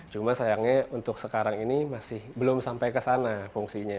cuma sayangnya untuk sekarang ini masih belum sampai ke sana fungsinya